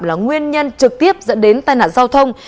là nguyên nhân trực tiếp dẫn đến tai nạn giao thông